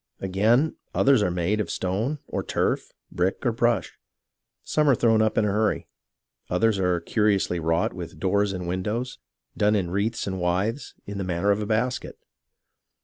Again, others are made of stone or turf, brick or brush. Some are thrown up in a hurry ; others are curiously wrought with doors and windows, done with wreaths and withes, in the manner of a basket.